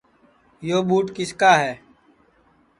یو ٻوٹ کِس کا ہے